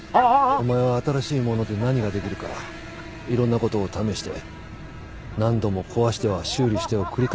お前は新しいもので何ができるかいろんなことを試して何度も壊しては修理してを繰り返してたな。